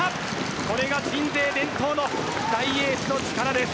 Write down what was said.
これが鎮西伝統の大エースの力です。